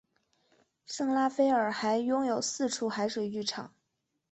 圣拉斐尔还拥有四处海水浴场。